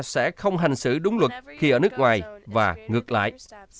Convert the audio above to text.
sẽ không hành xử đúng luật khi ở nước ngoài và ngược lại